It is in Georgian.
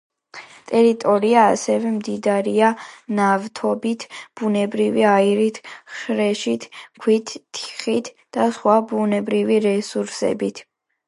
ტერიტორია ასევე მდიდარია ნავთობით, ბუნებრივი აირით, ხრეშით, ქვიშით, თიხით და სხვა ბუნებრივი რესურსებით.